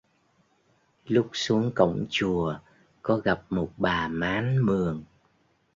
lúc xuống cổng chùa có gặp một bà mán mường